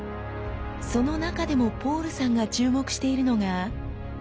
その中でもポールさんが注目しているのが。